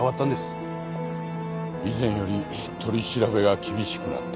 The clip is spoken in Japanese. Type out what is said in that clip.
以前より取り調べが厳しくなった。